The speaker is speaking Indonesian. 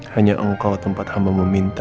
hanya engkau tempat hama meminta